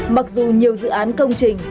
mặc dù nhiều dự án công trình